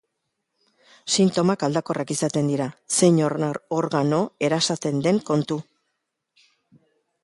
Sintomak aldakorrak izaten dira, zein organo erasaten den kontu.